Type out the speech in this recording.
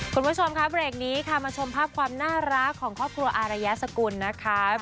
คุณผู้ชมครับเบรกนี้ค่ะมาชมภาพความน่ารักของครอบครัวอารยาสกุลนะครับ